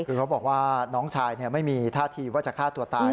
คือเขาบอกว่าน้องชายไม่มีท่าทีว่าจะฆ่าตัวตาย